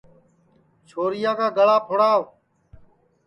چھورِیا کا گݪا پُھڑاو